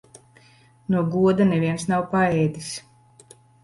No goda neviens nav paēdis.